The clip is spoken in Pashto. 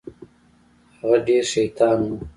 هغه ډېر شيطان و.